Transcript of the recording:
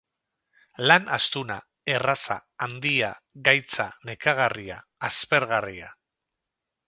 Lan astuna, erraza, handia, gaitza, nekagarria, aspergarria.